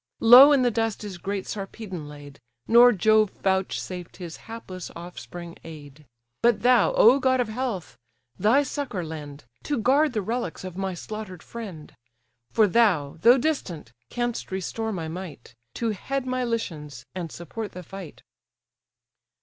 Low in the dust is great Sarpedon laid, Nor Jove vouchsafed his hapless offspring aid; But thou, O god of health! thy succour lend, To guard the relics of my slaughter'd friend: For thou, though distant, canst restore my might, To head my Lycians, and support the fight."